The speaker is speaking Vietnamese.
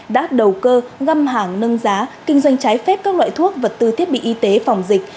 đã đầu cơ găm hàng nâng giá kinh doanh trái phép các loại thuốc vật tư thiết bị y tế phòng dịch